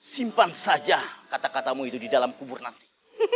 simpan saja kata katamu itu di dalam kubur nanti